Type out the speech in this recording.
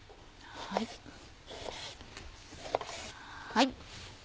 はい。